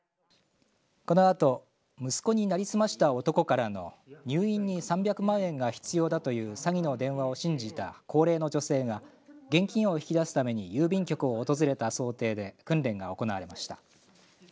このあと息子に成り済ました男から入院に３００万円が必要だという詐欺の電話を信じた高齢の女性が現金を引き出すために郵便局を訪れた想定で訓練が行われました。